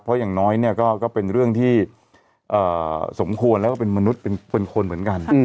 เพราะอย่างน้อยเนี่ยก็เป็นเรื่องที่สมควรแล้วก็เป็นมนุษย์เป็นคนเหมือนกัน